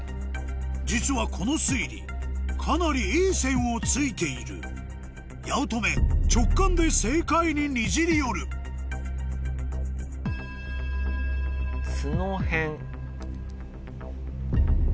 実はこの推理かなりいい線を突いている八乙女直感で正解ににじり寄る「つのへん」。